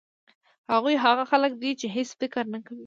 هغوی هغه خلک دي چې هېڅ فکر نه کوي.